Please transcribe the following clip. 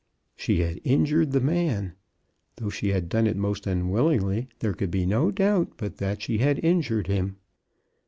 She had injured the man. Though she had done it most unwittingly, there could be no doubt but that she had injured him.